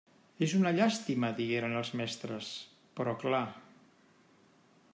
És una llàstima —digueren els mestres—, però clar...